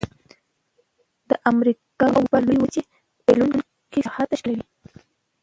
د امریکا او اروپا د لویې وچې بیلونکی سرحد تشکیلوي.